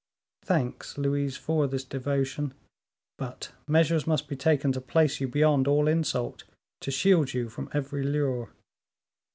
Thanks, Louise, for this devotion; but measures must be taken to place you beyond all insult, to shield you from every lure.